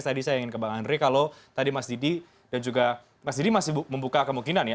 tadi saya ingin ke bang andre kalau tadi mas didi dan juga mas didi masih membuka kemungkinan ya